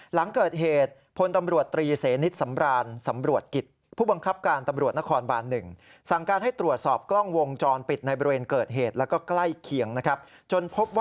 หลังเกิดเหตุพลตำรวจตรีเสนิตสำราญสำรวจกิจ